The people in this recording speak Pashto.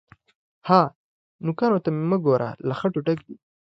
_ها! نوکانو ته مې وګوره، له خټو ډک دي.